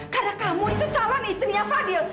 karena kamu itu calon istrinya fadil